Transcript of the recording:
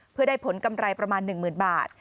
เพื่อได้ผลกำไรประมาณ๑๐๐๐บาท